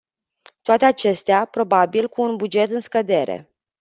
Toate acestea, probabil, cu un buget în scădere.